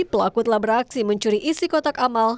pelaku telah beraksi mencuri isi kotak amal